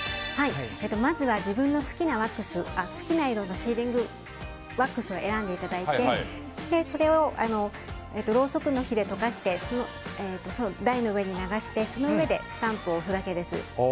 まずは自分の好きな色のシーリングワックスを選んでいただいてそれをろうそくの火で溶かして台の上に流して、その上でスタンプを押すだけです。